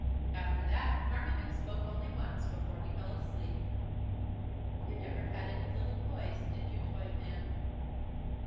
After that Marmaduke spoke only once before he fell asleep. "You never had any little boys, did you, Toyman?"